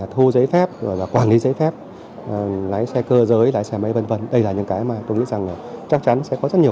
thu giấy phép rồi là quản lý giấy phép lái xe cơ giới lái xe máy v v đây là những cái mà tôi nghĩ rằng chắc chắn sẽ có rất nhiều